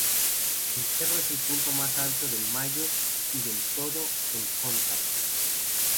El cerro es el punto más alto del Mayo y de todo el Connacht.